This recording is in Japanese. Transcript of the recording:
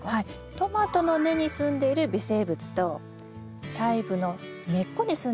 トマトの根にすんでいる微生物とチャイブの根っこにすんでる微生物